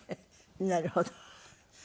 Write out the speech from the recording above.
なるほど。